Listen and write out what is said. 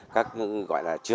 các gọi là